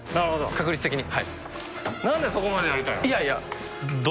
確率的に。